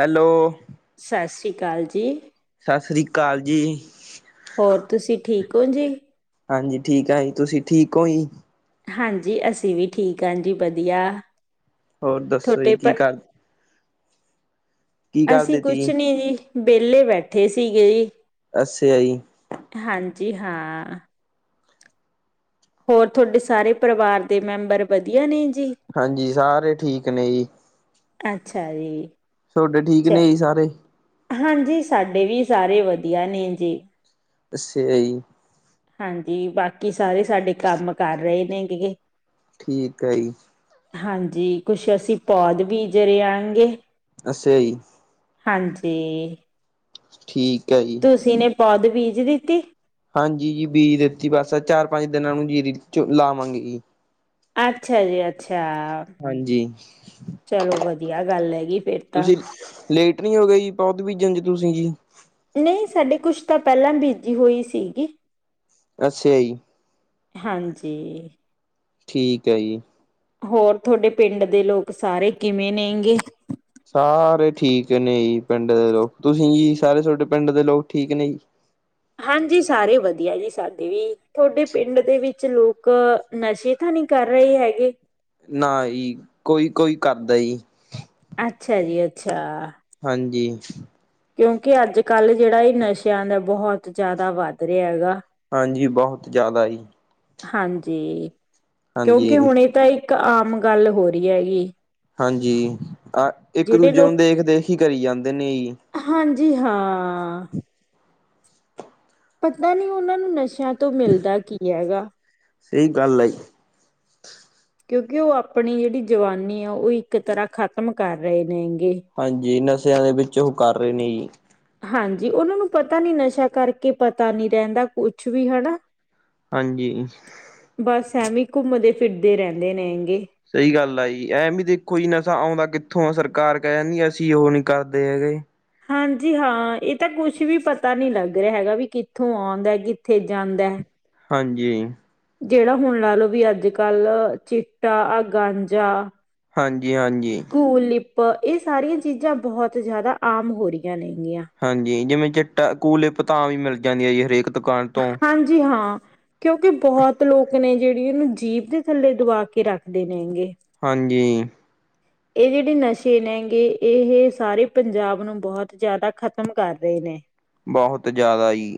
Hello! ਸਾਸ ਸ਼੍ਰੀ ਕਾਲ ਜੀ। ਸਸਰੀ ਕਾਲ ਜੀ। ਹੋਰ ਤੁਸੀਂ ਠੀਕ ਔ ਜੀ? ਹਾਂਜੀ, ਠੀਕ ਐਂ ਜੀ। ਤੁਸੀ ਠੀਕ ਓ ਈਂ? ਹਾਂਜੀ, ਅਸੀ ਵੀ ਠੀਕ ਆਂ ਜੀ, ਵਦੀਆ। ਹੋਰ ਦੱਸੋ ਜੀ ਕੀ ਕਰ ਕੀ ਅਸੀ ਕਰਦੇ ਤੀ ਕੁਛ ਨੀ ਜੀ, ਵੇਲੇ ਬੈਠੇ ਸੀਗੇ ਜੀ। ਅਸੇਆ ਜੀ। ਹਾਂਜੀ ਹਾਂ। ਹੋਰ ਥੋਡੇ ਸਾਰੇ ਪਰਵਾਰ ਦੇ ਮੈਂਬਰ ਵਧੀਆ ਨੇ ਜੀ। ਹਾਂਜੀ, ਸਾਰੇ ਠੀਕ ਨੇ ਜੀ। ਅੱਛਾ ਜੀ। ਤੁਹਾਡੇ ਠੀਕ ਚ ਨੇ ਜੀ ਸਾਰੇ ਹਾਂਜੀ, ਸਾਡੇ ਵੀ ਸਾਰੇ ਵਧੀਆ ਨੇ ਜੀ। ਦੱਸੇਯਾ ਈ। ਹਾਂਜੀ ਬਾਕੀ ਸਾਰੇ ਸਾਡੇ ਕੰਮ ਕਰ ਰਹੇ ਨੇ ਠੀਕ ਆ ਈ। ਹਾਂਜੀ ਕੁਸ਼ ਅਸੀਂ ਪੌਦ ਬੀਜ ਰੇਆਂ ਗੇ। ਅੱਸਾ ਈ। ਹਾਂਜੀ। ਠੀਕ ਐ ਜੀ। ਤੁਸੀਂ ਨੇ ਪਾਦ ਬੀਜ ਦਿੱਤੀ? ਹਾਂਜੀ ਜੀ ਬੀਜ ਦਿੱਤੀ ਬਸ ਚਾਰ ਪੰਜ ਦਿਨਾਂ ਨੂੰ ਜੀਰੀ ਚ ਲਾਵਾਂਗੇ ਈ। ਅੱਛਾ ਜੀ ਅੱਛਾ, ਹਾਂਜੀ ਚਲੋ ਵਧੀਆ ਗੱਲ ਹੈਗੀ ਫਿਰ ਤਾਂ ਤੁਸੀਂ ਲੇਟ ਨੀ ਹੋਗੇ ਜੀ ਪੌਧ ਬੀਜਣ ਚ ਤੁਸੀਂ ਜੀ। ਨਈ ਸਾਡੇ ਕੁੱਛ ਤਾਂ ਪੈਲਾਂ ਬੀਜੀ ਹੋਈ ਸੀਗੀ। ਅੱਛਾ ਜੀ। ਹਾਂਜੀ। ਠੀਕ ਐ ਜੀ। ਹੋਰ ਥੋੜੇ ਪਿੰਡ ਦੇ ਲੋਕ ਸਾਰੇ ਕਿਵੇਂ ਨੇਗੇ। ਸਾਰੇ ਠੀਕ ਨੇ ਜੀ ਪਿੰਡ ਦੇ ਲੋਕ ਤੁਸੀਂ ਜੀ ਸਾਰੇ ਸੋਡੇ ਪਿੰਡ ਦੇ ਲੋਕ ਠੀਕ ਨੇ ਜੀ? ਹਾਂਜੀ ਸਾਰੇ ਵਧੀਆ ਜੀ ਸਾਡੇ ਵੀ ਥੋਡੇ ਪਿੰਡ ਦੇ ਵਿੱਚ ਲੋਕ ਨਸ਼ੇ ਤਾਂ ਨੀ ਕਰ ਰਏ ਹੈਗੇ? ਨਾ ਜੀ ਕੋਈ-ਕੋਈ ਕਰਦਾ ਜੀ। ਅੱਛਾ ਜੀ ਅੱਛਾ। ਹਾਂਜੀ। ਕਿਉਂਕਿ ਅੱਜ ਕੱਲ੍ਹ ਜੇੜਾ ਏ ਨਸ਼ਿਆਂ ਦਾ ਬੌਹਤ ਜਾਦਾ ਵੱਧ ਰਿਆ ਹੈਗਾ। ਹਾਂਜੀ ਬੋਹਤ ਜਿਆਦਾ ਜੀ। ਹਾਂਜੀ ਕਿਉਂਕਿ ਹਾਂਜੀ ਹੁਣ ਏ ਤਾਂ ਇੱਕ ਆਮ ਗੱਲ ਹੋ ਰੀ ਐ ਗੀ। ਹਾਂਜੀ ਅ ਇੱਕ ਜਿਹੜੇ ਦੂਜੇ ਨੂੰ ਲੋਕ ਦੇਖ ਦੇਖ ਹੀ ਕਰੀ ਜਾਂਦੇ ਨੇ ਜੀ। ਹਾਂਜੀ ਹਾਂ। [unintelligible] ਪਤਾ ਨੀ ਓਨਾਂ ਨੂੰ ਨਸ਼ਿਆਂ ਤੋਂ ਮਿਲਦਾ ਕੀ ਐ ਗਾ? ਸਈ ਗੱਲ ਆ ਜੀ। ਕਿਉਂਕਿ ਓ ਆਪਣੀ ਜੇੜੀ ਜਵਾਨੀ ਆ ਓ ਇੱਕ ਤਰ੍ਹਾਂ ਖਤਮ ਕਰ ਰਏ ਨੇ ਗੇ। ਹਾਂਜੀ ਨਸ਼ਿਆਂ ਦੇ ਵਿੱਚ ਓਹ ਕਰ ਰੇ ਨੇ ਜੀ। ਹਾਂਜੀ ਓਨਾਂ ਨੂੰ ਪਤਾ ਨੀ ਨਸ਼ਾ ਕਰਕੇ ਪਤਾ ਨੀ ਰੇਂਦਾ ਕੁੱਛ ਵੀ ਹਨਾ। ਹਾਂਜੀ। ਬਸ ਐਵੀ ਘੁੰਮਦੇ ਫਿਰਦੇ ਰੈਂਦੇ ਨੇ ਗੇ। ਸਈ ਗੱਲ ਆ ਜੀ ਐ ਵੀ ਦੇਖੋ ਜੀ ਨਸ਼ਾ ਔਂਦਾ ਕਿੱਥੋਂ ਆ ਸਰਕਾਰ ਕੈ ਦਾਂਦੀ ਅਸੀਂ ਓਹ ਨੀ ਕਰਦੇ ਹੈਗੇ। ਹਾਂਜੀ ਹਾਂ ਏ ਤਾਂ ਕੁੱਸ਼ ਵੀ ਪਤਾ ਨੀ ਲੱਗ ਰਿਆ ਹੈਗਾ ਵੀ ਕਿੱਥੋਂ ਔਂਦਾ ਕਿੱਥੇ ਜਾਂਦੈ। ਹਾਂਜੀ। ਜੇੜਾ ਹੁਣ ਲਾ ਲਓ ਵੀ ਅੱਜ ਕੱਲ ਚਿੱਟਾ, ਆ ਗਾਂਜਾ। ਹਾਂਜੀ-ਹਾਂਜੀ। ਕੂ-ਲਿਪ ਏ ਸਾਰੀਆਂ ਚੀਜ਼ਾਂ ਬੋਹਤ ਜਾਦਾ ਆਮ ਹੋ ਰੀਆ ਨੇ ਗੀਆਂ। ਹਾਂਜੀ ਜਿਵੇਂ ਚਿੱਟਾ ਕੂਲਲਿਪ ਤਾ ਆਮ ਈ ਮਿਲ ਜਾਂਦੀ ਆ ਜੀ ਹਰੇਕ ਦੁਕਾਨ ਤੋਂ। ਹਾਂਜੀ ਹਾਂ। ਕਿਉਂਕਿ ਬੋਹਤ ਲੋਕ ਨੇ ਜੇੜੀ ਏਨੂੰ ਜੀਭ ਦੇ ਥੱਲੇ ਦਵਾ ਕੇ ਰੱਖਦੇ ਨੇ ਗੇ। ਹਾਂਜੀ। ਏ ਜੇੜੇ ਨਸ਼ੇ ਨੇ ਗੇ ਏਹ ਸਾਰੇ ਪੰਜਾਬ ਨੂੰ ਬੋਹਤ ਜਾਦਾ ਖਤਮ ਕਰ ਰਏ ਨੇ। ਬੋਹਤ ਜਾਦਾ ਜੀ।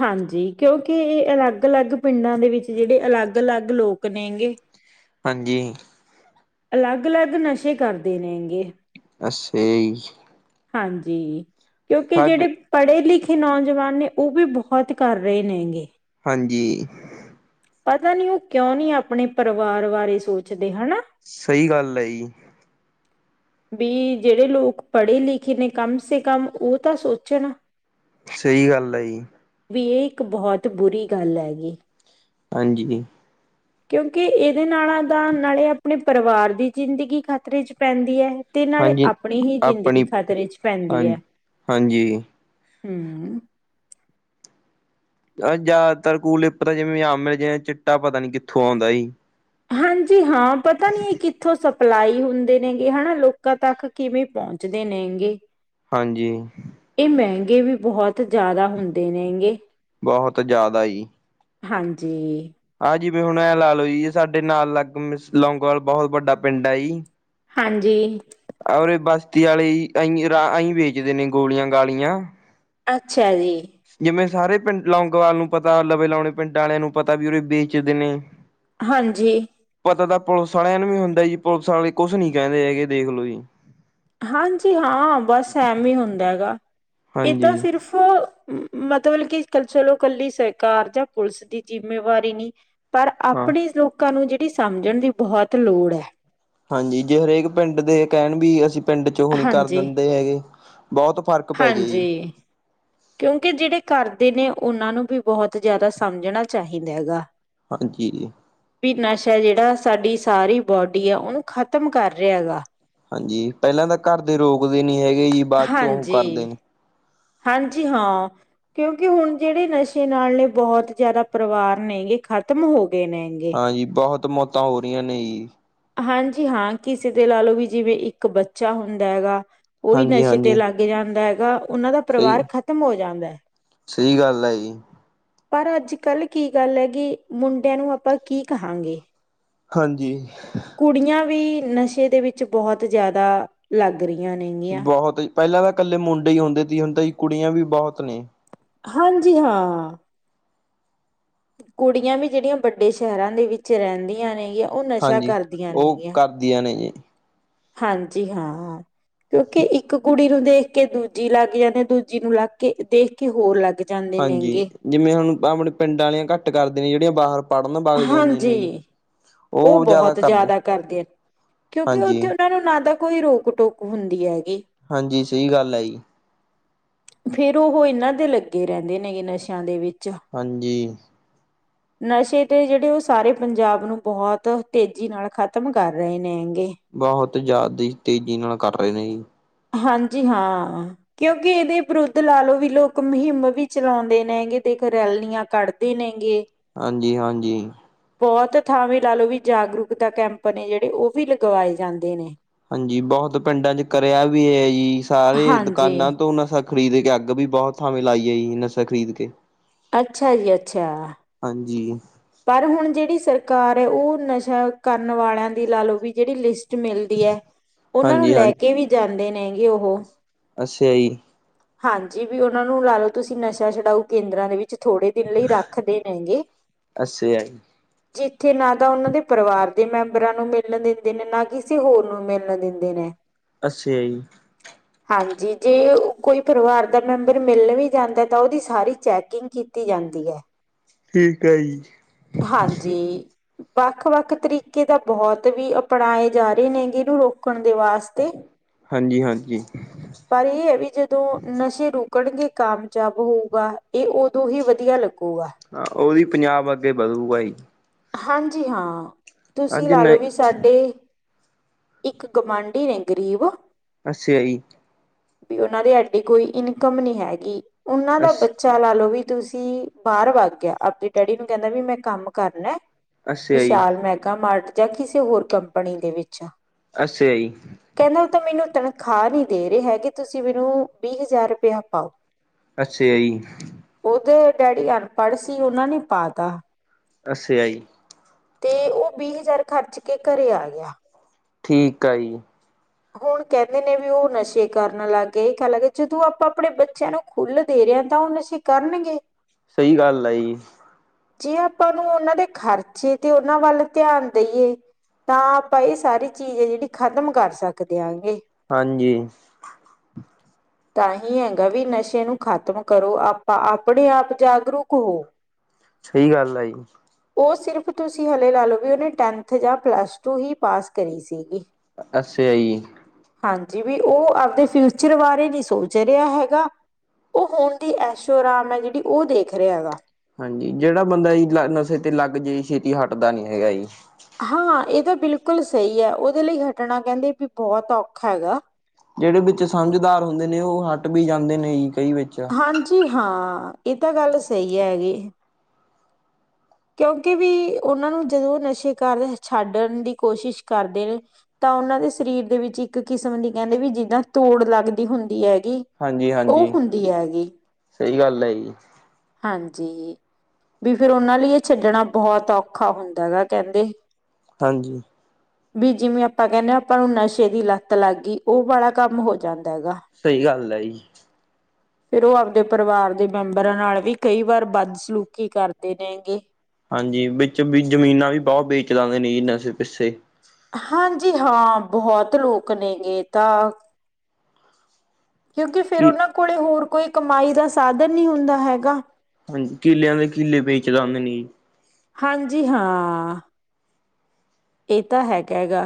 ਹਾਂਜੀ, ਕਿਉਂਕਿ ਏ ਅਲੱਗ-ਅਲੱਗ ਪਿੰਡਾਂ ਦੇ ਵਿੱਚ ਜੇੜੇ ਅਲੱਗ-ਅਲੱਗ ਲੋਕ ਨੇ ਗੇ ਹਾਂਜੀ। ਅਲੱਗ-ਅਲੱਗ ਨਸ਼ੇ ਕਰਦੇ ਨੇ ਗੇ। ਅੱਸ਼ੇਆ ਜੀ। ਹਾਂਜੀ, ਕਿਉਂਕੀ ਜੇੜੇ ਸਾਡੇ ਪੜੇ-ਲਿਖੇ ਨੌਜਵਾਨ ਨੇ ਓ ਵੀ ਬੋਹਤ ਕਰ ਰਏ ਨੇ ਗੇ। ਹਾਂਜੀ। ਪਤਾ ਨੀ ਓ ਕਿਉਂ ਨੀ ਆਪਣੇ ਪਰਿਵਾਰ ਬਾਰੇ ਸੋਚਦੇ ਹਣਾ। ਸਈ ਗੱਲ ਐ ਜੀ। ਬੀ ਜੇੜੇ ਲੋਕ ਪੜੇ-ਲਿਖੇ ਨੇ ਕਮ ਸੇ ਕਮ ਓ ਤਾਂ ਸੋਚਣ। ਸਈ ਗੱਲ ਐ ਜੀ। ਵੀ ਏਹ ਇੱਕ ਬੋਹਤ ਬੁਰੀ ਗੱਲ ਐ ਗੀ। ਹਾਂਜੀ। ਕਿਉਂਕਿ ਏਦੇ ਨਾਲਾਂ ਦਾ ਨਾਲੇ ਆਪਣੇ ਪਰਿਵਾਰ ਦੀ ਜਿੰਦਗੀ ਖਤਰੇ ਚ ਪੈਂਦੀ ਐ। ਤੇ ਨਾਲੇ ਹਾਂਜੀ ਆਪਣੀ ਹੀ ਜ਼ਿੰਦਗੀ ਆਪਣੀ ਖਤਰੇ ਚ ਪੈਂਦੀ ਐ, ਹਾਂਜੀ ਹਾਂਜੀ ਹੂੰ। ਜਾਦਾਤਰ ਕੂਲ ਲਿਪ ਤਾਂ ਜਿਵੇਂ ਆਮ ਮਿਲ ਜਾ ਚਿੱਟਾ ਪਤਾ ਨੀ ਕਿੱਥੋਂ ਔਂਦਾ ਜੀ। ਹਾਂਜੀ ਹਾਂ ਪਤਾ ਨੀ ਏ ਕਿੱਥੋਂ ਸਬ ਸਪਲਾਈ ਹੁੰਦੇ ਨੇ ਗੇ ਹਣਾ ਲੋਕਾਂ ਤੱਕ ਕਿਵੇਂ ਪੌਂਚਦੇ ਨੇ ਗੇ। ਹਾਂਜੀ। ਏ ਮੈਂਗੇ ਵੀ ਬੋਹੁਤ ਜ਼ਾਦਾ ਹੁੰਦੇ ਨੇਂ ਗੇ। ਬੋਹਤ ਜ਼ਾਦਾ ਜੀ। ਹਾਂਜੀ। ਆ ਜਿਵੇਂ ਹੁਣ ਐ ਲਾ ਲੋ ਜੀ ਸਾਡੇ ਨਾਲ ਲੱਗ ਮੇ ਲੌਂਗੋਆਲ ਬੋਹਤ ਵੱਡਾ ਪਿੰਡ ਐ ਜੀ। ਹਾਂਜੀ। ਆ ਉਰੇ ਬਸਤੀ ਆਲੇ ਜੀ ਐਂਈ ਰਾ ਐਂਈ ਵੇਚਦੇ ਨੇ ਗੋਲੀਆਂ-ਗਾਲੀਆਂ। ਅੱਛਿਆ ਜੀ। ਜਿਵੇਂ ਸਾਰੇ ਪਿੰਡ ਲੌਂਗੋਆਲ ਨੂੰ ਪਤਾ ਲਵੇ ਲੋਣੇ ਪਿੰਡ ਆਲਿਆਂ ਨੂੰ ਪਤਾ ਵੀ ਉਰੇ ਵੇਚਦੇ ਨੇ। ਹਾਂਜੀ। ਪਤਾ ਤਾਂ ਪੁਲਿਸ ਆਲਿਆਂ ਨੂੰ ਵੀ ਹੁੰਦਾ ਐ ਜੀ ਪੁਲਿਸ ਆਲੇ ਕੁਸ਼ ਨੀ ਕੈਂਦੇ ਹੈਗੇ ਦੇਖਲੋ ਜੀ। ਹਾਂਜੀ ਹਾਂ ਬਸ ਐਮੇ ਈ ਹੁੰਦਾ ਐ ਗਾ, ਏ ਤਾਂ ਹਾਂਜੀ ਸਿਰਫ ਮਤਬਲ ਕਿ ਚਲੋ ਕੱਲੀ ਸਰਕਾਰ ਜਾਂ ਪੁਲਿਸ ਦੀ ਜਿੰਮੇਵਾਰੀ ਨੀ। ਪਰ ਹਾਂ। ਆਪਣੀ ਲੋਕਾਂ ਨੂੰ ਜੇੜੀ ਸਮਝਣ ਦੀ ਬੋਹਤ ਲੋੜ ਐ। ਹਾਂਜੀ ਜੇ ਹਰੇਕ ਪਿੰਡ ਦੇ ਕੈਣ ਵੀ ਅਸੀਂ ਪਿੰਡ ਓ ਨੀ ਕਰਨ ਹਾਂਜੀ ਦਿੰਦੇ ਹੈਗੇ ਬੋਤ ਫ਼ਰਕ ਪੈ ਜਏ ਜੀ। ਹਾਂਜੀ ਕਿਉਂਕਿ ਜੇੜੇ ਕਰਦੇ ਨੇ ਉਹਨਾਂ ਨੂੰ ਵੀ ਬੋਤ ਜ਼ਿਆਦਾ ਸਮਝਣਾ ਚਾਹੀਦਾ ਹੈਗਾ। ਹਾਂਜੀ। ਵੀ ਨਸ਼ਾ ਜਿਹੜਾ ਸਾਡੀ ਸਾਰੀ ਬੋਡੀ ਆ ਉਹਨੂੰ ਖ਼ਤਮ ਕਰ ਰਿਹਾ ਹੇਗਾ। ਹਾਂਜੀ, ਪੈਲਾਂ ਤਾਂ ਘਰ ਦੇ ਰੋਕਦੇ ਨੀ ਹੈਗੇ ਜੀ। ਬਾਅਦ ਚੋਂ ਉਹ ਕਰਦੇ ਹਾਂਜੀ, ਨੇ। ਹਾਂਜੀ ਹਾਂ। ਕਿਉਂਕਿ ਹੁਣ ਜੇੜੇ ਨਸ਼ੇ ਨਾਲ ਨੇ ਬਹੁਤ ਜ਼ਿਆਦਾ ਪਰਿਵਾਰ ਨੇਗੇ ਖ਼ਤਮ ਹੋ ਗਏ ਨੇਗੇ। ਹਾਂਜੀ, ਬਹੁਤ ਮੌਤਾਂ ਹੋ ਰਹੀਆਂ ਨੇ ਜੀ। ਹਾਂਜੀ ਹਾਂ ਕਿਸੇ ਤੇ ਲਾ ਲਓ ਵੀ ਜਿਵੇਂ ਇੱਕ ਬੱਚਾ ਹੁੰਦਾ ਹੈਗਾ ਓਵੀ ਹਾਂਜੀ ਨਸ਼ੇ ਤੇ ਹਾਂਜੀ ਲਾਗ ਲੱਗ ਜਾਂਦਾ ਹੈਗਾ। ਉਹਨਾਂ ਦਾ ਸਹੀ ਪਰਿਵਾਰ ਖਤਮ ਹੋ ਜਾਂਦਾ ਐ। ਸਹੀ ਗੱਲ ਐ ਜੀ। ਪਰ ਅੱਜ-ਕੱਲ੍ਹ ਕੀ ਗੱਲ ਘ ਕਿ ਮੁੰਡਿਆਂ ਨੂੰ ਆਪਾਂ ਕੀ ਕਹਾਂਗੇ। ਹਾਂਜੀ। ਕੁੜੀਆਂ ਵੀ ਨਸ਼ੇ ਦੇ ਵਿੱਚ ਬਹੁਤ ਜ਼ਿਆਦਾ ਲੱਗ ਰਹੀਆਂ ਨੇਗੀਆਂ। ਪੈਲਾਂ ਤਾਂ ਕੱਲੇ ਮੁੰਡੇ ਹੀ ਹੁੰਦੇ ਸੀ ਹੁਣ ਤਾਂ ਜੀ ਕੁੜੀਆਂ ਵੀ ਬਹੁਤ ਨੇ ਹਾਂਜੀ, ਹਾਂ। ਕੁੜੀਆਂ ਵੀ ਜੇੜੀਆਂ ਵੱਡੇ ਸ਼ਹਿਰਾਂ ਦੇ ਵਿੱਚ ਰਹਿੰਦੀਆਂ ਨੇਗੀਆਂ ਉਹ ਨਸ਼ਾ ਹਾਂਜੀ ਕਰਦੀਆਂ ਉਹ ਨੇਗੀਆਂ। ਕਰਦੀਆਂ ਨੇ ਜੀ। ਹਾਂਜੀ ਹਾਂ, ਕਿਉਂਕਿ ਇੱਕ ਕੁੜੀ ਨੂੰ ਦੇਖ ਦੇਖ ਕੇ ਦੂਜੀ ਲੱਗ ਜਾਂਦੀ ਦੂਜੀ ਨੂੰ ਲੱਗ ਕੇ ਦੇਖ ਕੇ ਹੋਰ ਲੱਗ ਜਾਂਦੇ ਹਾਂਜੀ ਨੇਗੇ। ਜਿਵੇਂ ਹੁਣ ਆਪਣੇ ਪਿੰਡ ਵਾਲੀਆਂ ਘੱਟ ਕਰਦੇ ਨੇ ਜਿਹੜੀਆਂ ਬਾਹਰ ਪੜ੍ਹਨ ਬਗ ਜਾਂਦੀਆਂ ਨੇ ਜੀ। ਓ ਉਹ ਬਹੁਤ ਕਰਦੇ ਜ਼ਿਆਦਾ ਕਰਦੇ ਕਿਉਂਕਿ ਹਾਂਜੀ ਓਥੇ ਓਨਾਂ ਨੂੰ ਨਾ ਤਾਂ ਕੋਈ ਰੋਕ ਟੋਕ ਹੁੰਦੀ ਹੈਗੀ। ਹਾਂਜੀ, ਸਹੀ ਗੱਲ ਐ ਜੀ। ਫੇਰ ਉਹ ਏਨਾਂ ਦੇ ਲੱਗੇ ਰੇਂਦੇ ਨੇਗੇ ਨਸ਼ਿਆਂ ਦੇ ਵਿੱਚ ਹਾਂਜੀ। ਨਸ਼ੇ ਤੇ ਜੇੜੇ ਉਹ ਸਾਰੇ ਪੰਜਾਬ ਨੂੰ ਬਹੁਤ ਤੇਜ਼ੀ ਨਾਲ ਖ਼ਤਮ ਕਰ ਰਹੇ ਨੇ ਹੈਂਗੇ। ਬਹੁਤ ਜ਼ਿਆਦਾ ਹੀ ਤੇਜ਼ੀ ਨਾਲ ਕਰ ਰਹੇ ਨੇ ਜੀ। ਹਾਂਜੀ ਹਾਂ। ਕਿਉਂਕਿ ਏਦੇ ਵਿਰੁੱਧ ਲਾ ਲੋ ਵੀ ਲੋਕ ਮੁਹਿੰਮ ਵੀ ਚਲਾਉਂਦੇ ਨੇਗੇ, ਤੇ ਦੇਖ ਰੈਲੀਆਂ ਕੱਢ ਦੇ ਨੇ ਗੇ। ਹਾਂਜੀ-ਹਾਂਜੀ। ਬੋਤ ਥਾਵੇਂ ਲਾ ਲਓ ਵੀ ਜਾਗਰੂਕਤਾ ਕੈਂਪ ਨੇ ਜੇੜੇ ਓ ਵੀ ਲਗਵਾਏ ਜਾਂਦੇ ਨੇ। ਹਾਂਜੀ, ਬਹੁਤ ਪਿੰਡਾਂ ਚ ਕਰਿਆ ਵੀ ਐ ਜੀ, ਸਾਰੇ ਹਾਂਜੀ ਦੁਕਾਨਾਂ ਤੋਂ ਨਾ ਖਰੀਦ ਕੇ ਅੱਗ ਵੀ ਬਹੁਤ ਥਾਵੇਂ ਲਾਈ ਆਈ, ਨਸ਼ਾ ਖਰੀਦ ਕੇ। ਅੱਛਾ ਜੀ ਅੱਛਾ। ਹਾਂਜੀ ਪਰ ਹੁਣ ਜਿਹੜੀ ਸਰਕਾਰ ਐ, ਉਹ ਨਸ਼ਾ ਕਰਨ ਵਾਲਿਆਂ ਦੀ ਲਾ ਲਓ ਵੀ ਜਿਹੜੀ ਲਿਸ ਟ ਮਿਲਦੀ ਐ, ਉਹਨਾਂ ਨੂੰ ਹਾਂਜੀ ਲੈ ਹਾਂਜੀ ਕੇ ਵੀ ਜਾਂਦੇ ਨੇ ਗੇ ਓਹੋ। ਅੱਛਾਂ ਜੀ। ਹਾਂਜੀ, ਵੀ ਉਹਨਾਂ ਨੂੰ ਲਾ ਲਓ ਤੁਸੀਂ ਨਸ਼ਾ ਛਡਾਓ ਕੇਂਦਰਾਂ ਦੇ ਵਿੱਚ ਥੋੜੇ ਦਿਨ ਲਈ ਰੱਖਦੇ ਨੇਗੇ। ਅੱਛਾ ਜੀ ਜਿੱਥੇ ਨਾ ਤਾਂ ਉਹਨਾਂ ਦੇ ਪਰਿਵਾਰ ਦੇ ਮੈਂਬਰਾਂ ਨੂੰ ਮਿਲਣ ਦਿੰਦੇ ਨੇ, ਨਾ ਕਿਸੇ ਹੋਰ ਨੂੰ ਮਿਲਣ ਦਿੰਦੇ ਨੇ। ਅੱਛਿਆ ਜੀ। ਹਾਂਜੀ, ਜੇ ਕੋਈ ਪਰਿਵਾਰ ਦਾ ਮੈਂਬਰ ਮਿਲਣ ਵੀ ਜਾਂਦਾ ਤਾਂ ਉਹਦੀ ਸਾਰੀ ਚੈਕਿੰਗ ਕੀਤੀ ਜਾਂਦੀ ਐ। ਠੀਕ ਐ ਜੀ। ਹਾਂਜੀ। ਵੱਖ-ਵੱਖ ਤਰੀਕੇ ਦਾ ਬਹੁਤ ਵੀ ਅਪਣਾਏ ਜਾ ਰਹੇ ਨੇਗੇ, ਇਹਨੂੰ ਰੋਕਣ ਦੇ ਵਾਸ- ਹਾਂਜੀ, ਹਾਂਜੀ। ਪਰ ਇਹ ਐ ਵੀ ਜਦੋਂ ਨਸ਼ੇ ਰੁਕਣਗੇ ਕਾਮਯਾਬ ਹੋਊਗਾ। ਇਹ ਉਦੋਂ ਹੀ ਵਧੀਆ ਲੱਗੂਗਾ। ਆ ਉਹਦੀ ਪੰਜਾਬ ਅੱਗੇ ਵਧੂਗਾ ਜ ਹਾਂਜੀ। ਹਾਂ, ਤੁਸੀਂ ਅੱਜ ਲਾ ਲਓ ਨਹੀਂ ਵੀ ਸਾਡੇ--ਇੱਕ ਗੁਵਾਂਢੀ ਨੇ ਗਰੀਬ। ਅੱਛਾ ਜੀ। ਵੀ ਉਹਨਾਂ ਦੇ ਐਡੀ ਕੋਈ ਇਨਕਮ ਨੀ ਹੈਗੀ। ਉਹਨਾਂ ਦਾ ਅਸ ਬੱ ਚਾ ਲਾ ਲੋਓ ਵੀ ਤੁਸੀਂ ਬਾਹਰ ਵਾਗ ਗਿਆ। ਆਪਣੇ ਡੈਡੀ ਨੂੰ ਕਹਿੰਦਾ ਵੀ ਮੈਂ ਕੰਮ ਕਰਨਾ ਐ। ਅੱਛਾ ਜੀ ਵਿਸ਼ਾਲ ਮੈਗਾ ਮਾਰਟ ਜਾਂ ਕਿਸੇ ਹੋਰ ਕੰਪਨੀ ਦੇ ਵਿੱਚ ਅੱਛਾ ਜੀ। ਕਹਿੰਦਾ- ਉਹ ਤਾਂ ਮੈਨੂੰ ਤਨਖਾਹ ਨੀ ਦੇ ਰਹੇ ਹੈਗੇ। ਤੁਸੀਂ ਮੈਨੂੰ ਵੀਹ ਹਜ਼ਾਰ ਰੁਪਇਆ ਪਾਓ। ਅੱਛਾ ਆ ਜੀ। ਉਹਦੇ ਡੈਡੀ ਅਨਪੜ੍ਹ ਸੀ। ਉਹਨਾਂ ਨੇ ਪਾਤਾ। ਅੱਛੇ ਆ ਜੀ। ਤੇ ਉਹ ਵੀਹ ਹਜ਼ਾਰ ਖਰਚ ਕੇ ਘਰੇ ਆ ਗਿਆ। ਠੀਕ ਆ ਜੀ। ਹੁਣ ਕਹਿੰਦੇ ਨੇ ਵੀ ਉਹ ਨਸ਼ੇ ਕਰਨ ਲੱਗ ਗਏ, ਕ ਲੱਗੇ ਜਦੋਂ ਆਪਾਂ ਆਪਣੇ ਬੱਚਿਆਂ ਨੂੰ ਖੁੱਲ ਦੇ ਰਿਹਾ ਆ, ਤਾਂ ਹੁਣ ਅਸੀਂ ਕਰਨਗੇ। ਸਈ ਗੱਲ ਆ ਜੀ। ਜੇ ਆਪਾਂ ਨੂੰ ਉਹਨਾਂ ਦੇ ਖ਼ਰਚੇ ਤੇ ਉਹਨਾਂ ਵੱਲ ਧਿਆਨ ਦੇਈਏ ਤਾਂ ਆਪਾਂ ਇਹ ਸਾਰੀ ਚੀਜ਼ ਐ, ਜਿਹੜੀ ਖ਼ਤਮ ਕਰ ਸਕਦੇ ਆਂਗੇ। ਹਾਂਜੀ। [unintelligible] [inaudible] ਤਾਂ ਹੀ ਹੈਗਾ ਵੀ, ਨਸ਼ੇ ਨੂੰ ਖ਼ਤਮ ਕਰੋ, ਆਪਾਂ ਆਪਣੇ ਆਪ ਜਾਗਰੂਕ ਹੋ। ਸਹੀ ਗੱਲ ਆ ਜੀ। ਉਹ ਸਿਰਫ਼ ਤੁਸੀਂ ਹਾਲੇ ਲਾ ਲਓ, ਵੀ ਉਹਨੇ ਟੈਨਥ ਜਾਂ ਪਲੱਸ ਟੂ ਹੀ ਪਾਸ ਕਰੀ ਸੀਗੀ। ਅੱਛੇ ਆ ਜੀ। ਹਾਂਜੀ, ਵੀ ਉਹ ਆਪਦੇ ਫਿਊਚਰ ਬਾਰੇ ਨੀ ਸੋਚ ਰਿਹਾ ਹੈਗਾ। ਉਹ ਹੁਣ ਦੀ ਐਸ਼ੋਅਰਾਮ ਐ। ਜਿਹੜੀ ਉਹ ਦੇਖ ਰਿਹਾ ਗਾ। ਹਾਂਜੀ, ਜਿਹੜਾ ਬੰਦਾ ਜੀ ਨਸ਼ੇ ਤੇ ਲੱਗ ਜੇ ਛੇਤੀ ਹੱਟਦਾ ਨੀ ਹੈਗਾ ਜੀ। ਹਾਂ, ਇਹ ਤਾਂ ਬਿਲਕੁਲ ਸਹੀ ਹੈ। ਉਹਦੇ ਲਈ ਘਟਨਾ ਕਹਿੰਦੇ ਵੀ ਬਹੁਤ ਔਖਾ ਹੈਗਾ। ਜਿਹੜੇ ਵਿੱਚ ਸਮਝਦਾਰ ਹੁੰਦੇ ਨੇ ਉਹ ਹਟ ਵੀ ਜਾਂਦੇ ਨੇ ਜੀ‌ ਕਈ ਵਿੱਚ। ਹਾਂਜੀ। ਹਾਂ, ਇਹ ਤਾਂ ਗੱਲ ਸਹੀ ਹੈਗੀ। ਕਿਉਂਕਿ ਵੀ ਉਹਨਾਂ ਨੂੰ ਜਦੋਂ ਨਸ਼ੇ ਕਾਰ ਛੱਡਣ ਦੀ ਕੋਸ਼ਿਸ਼ ਕਰਦੇ ਨੇ ਤਾਂ ਉਹਨਾਂ ਦੇ ਸਰੀਰ ਦੇ ਵਿੱਚ ਇੱਕ ਕਿਸਮ ਦੀ ਕਹਿੰਦੇ ਵੀ ਜਿੱਦਾਂ ਤੋੜ ਲੱਗਦੀ ਹੁੰਦੀ ਹੈਗੀ। ਹਾਂਜੀ, ਉਹ ਹਾਂਜੀ। ਹੁੰਦੀ ਹੈਗੀ ਸਹੀ ਗੱਲ ਹੈ ਜੀ‌‌। ਹਾਂਜੀ। ਫਿਰ ਉਹਨਾਂ ਲਈ ਛੱਡਣਾ ਬਹੁਤ ਔਖਾ ਹੁੰਦਾ ਹੈਗਾ ਕਹਿੰਦੇ ਹਾਂਜੀ। ਵੀ ਜਿਵੇਂ-ਆਪਾਂ ਕਹਿੰਦੇ ਆਪਾਂ ਨੂੰ ਨਸ਼ੇ ਦੀ ਲੱਤ ਲੱਗ ਗਈ। ਉਹ ਵਾਲਾ ਕੰਮ ਹੋ ਜਾਂਦਾ ਹੈਗਾ। ਸਹੀ ਗੱਲ ਹੈ‌‌, ਜੀ। ਫੇਰ ਉਹ ਆਪਦੇ ਪਰਿਵਾਰ ਦੇ ਮੈਂਬਰਾਂ ਨਾਲ ਵੀ ਕਈ ਵਾਰ ਬੱਦ ਸਲੂਕੀ ਕਰਦੇ ਨੇ ਗੇ। ਹਾਂਜੀ ਵਿੱਚ-ਵਿਚ ਜ਼ਮੀਨਾਂ ਵੀ ਬਹੁਤ ਵੇਚ ਲਾਂਦੇ ਨੇ ਜੀ ਨਸ਼ੇ ਪਿੱਛੇ। ਹਾਂਜੀ ਹਾਂ ਬਹੁਤ ਲੋਕ ਨੇ ਇਹ ਤਾਂ। ਕਿਉਂਕਿ ਫੇਰ ਕਿ ਉਹਨਾਂ ਕੋਲ ਹੋਰ ਕੋਈ ਕਮਾਈ ਦਾ ਸਾਧਨ ਨਹੀਂ ਹੁੰਦਾ ਹੈਗਾ। ਹਾਂਜ ਕਿਲਿਆਂ ਦੇ ਕਿੱਲੇ ਵੇਚ ਜਾਂਦੇ ਨੀ। ਹਾਂਜੀ, ਹਾਂ। ਇਹ ਤਾਂ ਹੈਗਾ ਗਾ।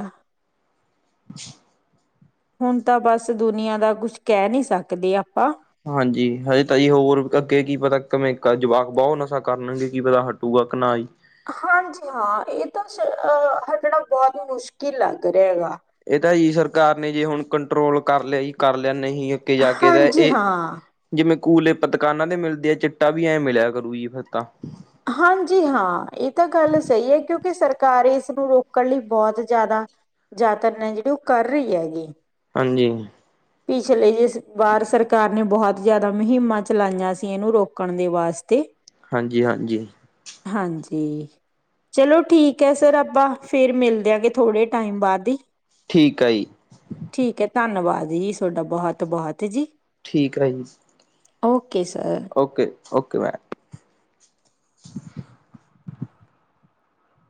[unintelligible] ਹੁਣ ਤਾਂ ਬਸ ਦੁਨੀਆਂ ਦਾ ਕੁਛ ਕਹਿ ਨਹੀਂ ਸਕਦੇ ਆਪਾਂ। ਹਾਂਜੀ ਹਜੇ ਤਾ ਜੀ ਹੋਰ ਅੱਗੇ ਕੀ ਪਤਾ ਕਿਵੇਂ ਜਵਾਕ ਬਹੁਤ ਨਸ਼ਾ ਕਰਨਗੇ ਕੀ ਪਤਾ ਹਟੂਗਾ ਕਿ ਨਾ ਜੀ। ਹਾਂਜੀ ਹਾਂ ਇਹ ਤਾਂਹ ਹਟਣਾ ਬਹੁਤ ਹੀ ਮੁਸ਼ਕਿਲ ਲੱਗ ਰਿਹਾ ਹੈਗਾ। ਇਹ ਤਾਂ ਜੀ ਸਰਕਾਰ ਨੇ ਜੇ ਹੁਣ ਕੰਟਰੋਲ ਕਰ ਲਿਆ ਜੇ ਕਰ ਲਿਆ ਨਹੀਂ ਅੱਗੇ ਜਾ ਕੇ ਤਾਂ ਹਾਂਜੀ ਇਹ। ਹਾਂ। ਜਿਵੇਂ ਕੂਲੇਪ ਦੁਕਾਨਾਂ ਦੇ ਮਿਲਦੇ ਆ ਚਿੱਟਾ ਵੀ ਐਂ ਮਿਲਿਆ ਕਰੂ ਜੀ ਫੇਰ ਤਾਂ। ਹਾਂਜੀ ਹਾਂ ਇਹ ਤਾਂ ਗੱਲ ਸਹੀ ਹੈ। ਕਿਉਂਕਿ ਸਰਕਾਰ ਇਸ ਨੂੰ ਰੋਕਣ ਲਈ ਬਹੁਤ ਜ਼ਿਆਦਾ। ਯਤਨ ਨੇ [unintelligible] ਉਹ ਕਰ ਰਹੀ ਹੈਗੀ। ਹਾਂਜੀ। ਪਿਛਲੀ ਵਾਰ ਸਰਕਾਰ ਨੇ ਬਹੁਤ ਜ਼ਿਆਦਾ ਮੁਹਿੰਮਾਂ ਚਲਾਈਆਂ ਸੀ ਇਹਨੂੰ ਰੋਕਣ ਦੇ ਵਾਸਤੇ। ਹਾਂਜੀ- ਹਾਂਜੀ। ਹਾਂਜੀ। ਚਲੋ ਠੀਕ ਹੈ, ਸਰ ਆਪਾਂ ਫੇਰ ਮਿਲ਼ਦੇ ਆਂ ਥੋੜੇ ਟਾਈਮ ਬਾਅਦ ਹੀ। ਠੀਕ ਹੈ ਜੀ। ਠੀਕ ਹੈ ਧੰਨਵਾਦ ਜੀ ਤੁਹਾਡਾ ਬਹੁਤ- ਬਹੁਤ ਜੀ‌। ਠੀਕ ਆ ਜੀ‌‌। Okay sir. Okay- okay ma'am. ਼਼ [unintelligible]